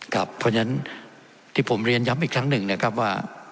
เพราะฉะนั้นที่ผมเรียนย้ำอีกครั้งหนึ่งนะครับว่า